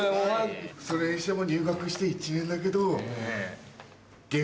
それにしても入学して１年だけど。